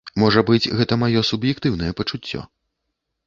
Можа быць, гэта маё суб'ектыўнае пачуццё.